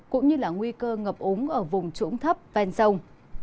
cũng như là nguy cơ ngập ống ở vùng trũng thấp ven rông